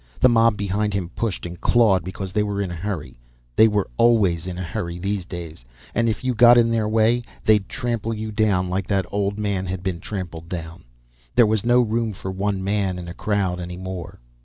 The mob behind him pushed and clawed because they were in a hurry; they were always in a hurry these days, and if you got in their way they'd trample you down like that old man had been trampled down; there was no room for one man in a crowd any more.